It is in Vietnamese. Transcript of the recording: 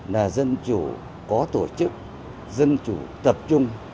là dân chủ có tổ chức dân chủ tập trung